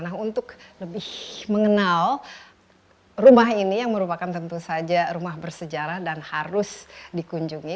nah untuk lebih mengenal rumah ini yang merupakan tentu saja rumah bersejarah dan harus dikunjungi